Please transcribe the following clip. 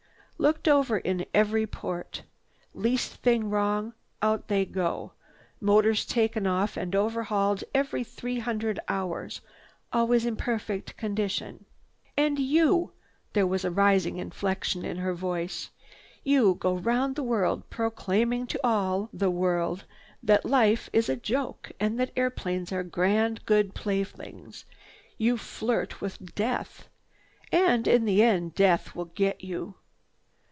Looked over in every port. Least thing wrong, out they go. Motors taken off and overhauled every three hundred hours. Always in perfect condition. "And you—" there was a rising inflection in her voice. "You go round the world proclaiming to all the world that life is a joke and that airplanes are grand, good playthings. You flirt with death. And in the end death will get you.